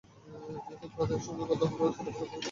এখন তাঁদের সঙ্গে কথা হলে সেই ছোটবেলার গল্প নিয়ে অনেক মজা হয়।